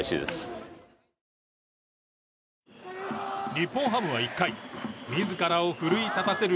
日本ハムは１回自らを奮い立たせる